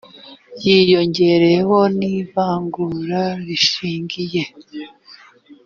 hiyongereyeho n ivangura rishingiye